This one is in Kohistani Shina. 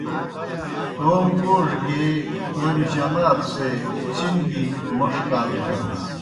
توموْ گوڙہ گیے تومیْ جماتوْ سے چِن گیْ موْݜ کال تھینَس۔